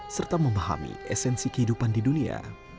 serta memahami esensi kehidupan di dunia